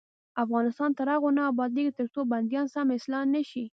افغانستان تر هغو نه ابادیږي، ترڅو بندیان سم اصلاح نشي.